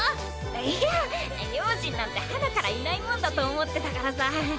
いやあ両親なんてハナからいないもんだと思ってたからさ。